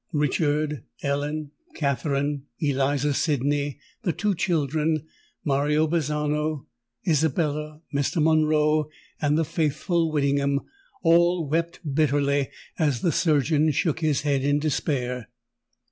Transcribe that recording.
Richard—Ellen—Katherine—Eliza Sydney—the two children—Mario Bazzano—Isabella—Mr. Monroe—and the faithful Whittingham—all wept bitterly, as the surgeon shook his head in despair!